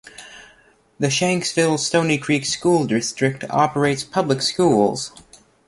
The Shanksville-Stonycreek School District operates public schools.